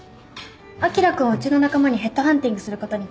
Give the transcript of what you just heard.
あきら君をうちの仲間にヘッドハンティングすることに決めたの。